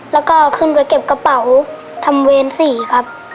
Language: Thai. แล้วก็ขึ้นไปเก็บกระเป๋าทำเวรสี่ครับ